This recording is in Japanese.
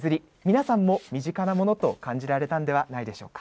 皆さんも身近なものと感じられたんではないでしょうか。